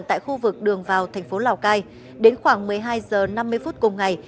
tại khu vực đường vào thành phố lào cai đến khoảng một mươi hai h năm mươi phút cùng ngày